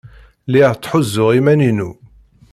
Lliɣ tthuzzuɣ iman-inu.